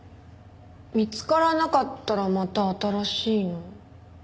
見つからなかったらまた新しいのを。